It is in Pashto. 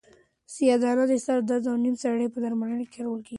سیاه دانه د سر د درد او نیم سری په درملنه کې کارول کیږي.